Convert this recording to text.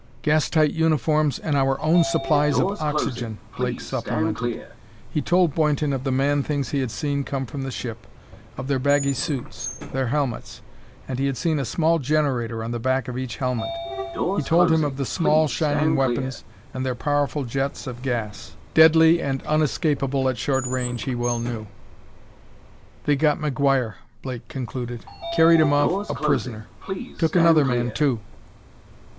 "Gas tight uniforms and our own supplies of oxygen," Blake supplemented. He told Boynton of the man things he had seen come from the ship, of their baggy suits, their helmets.... And he had seen a small generator on the back of each helmet. He told him of the small, shining weapons and their powerful jets of gas. Deadly and unescapable at short range, he well knew. "They got McGuire," Blake concluded; "carried him off a prisoner. Took another man, too."